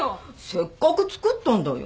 せっかく作ったんだよ。